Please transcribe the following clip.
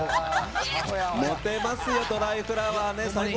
モテますよ「ドライフラワー」ね。